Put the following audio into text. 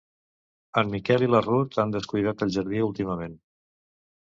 En Miquel i la Rut han descuidat el jardí últimament.